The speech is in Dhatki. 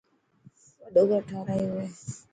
وڏو گهر ٺارايو هي.